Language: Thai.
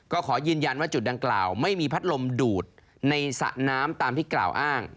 ก็ขอยืนยันว่าจุดดังกล่าวไม่มีพัดลมดูดในสระน้ำตามที่กล่าวอ้าง